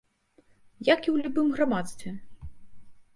Як і ў любым грамадстве.